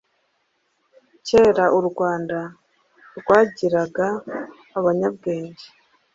Kera u Rwanda rwagiraga abanyabwenge